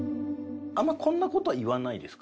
あんまりこんな事は言わないですか？